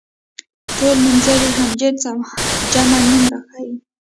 ټول نومځري هم جنس او جمع نوم راښيي.